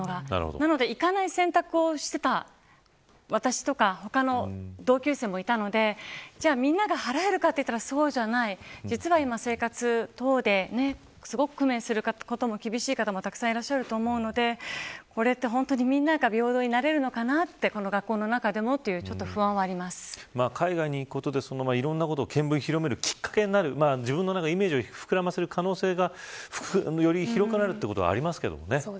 なので、行かない選択をしていた私とか他の同級生もいたのでじゃあみんなが払えるかといったらそうじゃない実は今、生活等ですごく工面することが厳しい方もたくさんいらっしゃると思うのでこれは本当に皆が平等になれるのかなと学校の中でも海外に行くことでいろんなこと見聞を広めるきっかけになる自分の中でイメージを膨らませる可能性がより広くなるということはありますけどね。